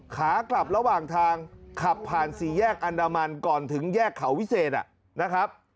ขากลับระหว่างทางขับผ่านสี่แยกอันดามันก่อนถึงแยกเขาวิเศษนะครับ